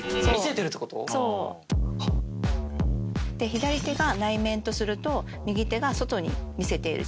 左手が内面とすると右手が外に見せている自分。